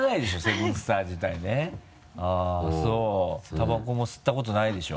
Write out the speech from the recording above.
タバコも吸ったことないでしょ？